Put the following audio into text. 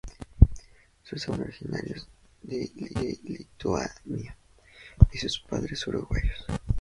Sus abuelos eran originarios de Lituania y sus padres uruguayos.